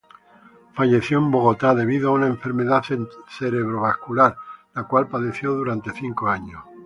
Falleció en Bogotá, debido a una enfermedad cerebro-vascular la cual padeció durante cinco años.